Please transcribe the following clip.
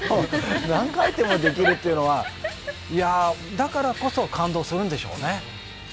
何回転もできるというのは、だからこそ感動するんでしょうね。